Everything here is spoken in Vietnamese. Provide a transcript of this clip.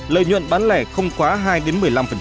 lợi nhuận bán lẻ không quá hai đến một mươi năm